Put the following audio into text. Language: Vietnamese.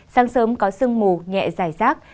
sang sớm có sương mù nhẹ dài rác